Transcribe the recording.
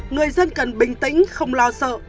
người dân cần bình tĩnh không lo sợ